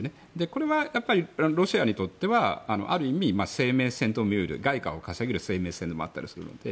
これはロシアにとってはある意味、生命線ともいえる外貨を稼げる生命線でもあったりするので。